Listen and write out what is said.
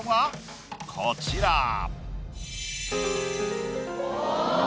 こちら。